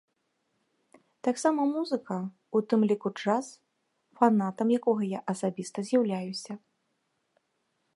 Таксама музыка, у тым ліку джаз, фанатам якога я асабіста з'яўляюся.